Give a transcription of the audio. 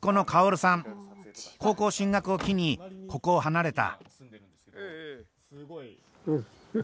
高校進学を機にここを離れた。